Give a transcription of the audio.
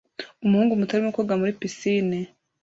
Umuhungu muto arimo koga muri pisine